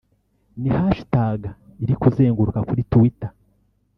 ni #HashTag iri kuzenguruka kuri Twitter